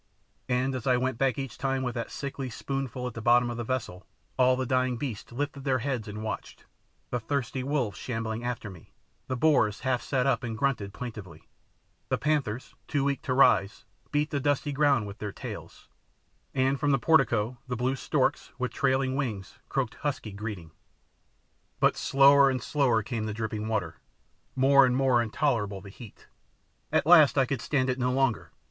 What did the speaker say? And as I went back each time with that sickly spoonful at the bottom of the vessel all the dying beasts lifted their heads and watched the thirsty wolves shambling after me; the boars half sat up and grunted plaintively; the panthers, too weak to rise, beat the dusty ground with their tails; and from the portico the blue storks, with trailing wings, croaked husky greeting. But slower and slower came the dripping water, more and more intolerable the heat. At last I could stand it no longer.